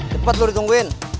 cepat lu ditungguin